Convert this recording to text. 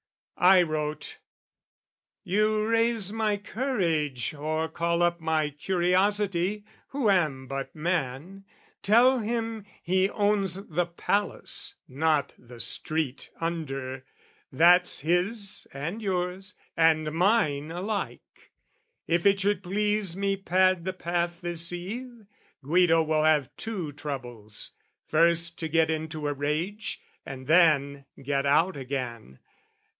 I wrote "You raise my courage, or call up "My curiosity, who am but man. "Tell him he owns the palace, not the street "Under that's his and yours and mine alike. "If it should please me pad the path this eve, "Guido will have two troubles, first to get "Into a rage and then get out again.